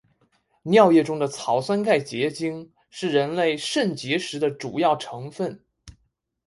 尿液中的草酸钙结晶是人类肾结石的主要成分。